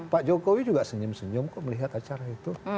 pak jokowi juga senyum senyum kok melihat acara itu